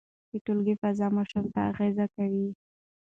د ټولګي فضا ماشوم ته اغېز کوي.